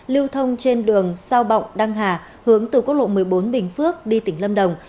lưu thông trên đường sao bọng đăng hà hướng từ quốc lộ một mươi bốn bình phước đi tỉnh lâm đồng